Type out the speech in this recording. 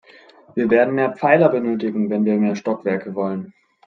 Wir werden mehr Pfeiler benötigen, wenn wir mehr Stockwerke wollen.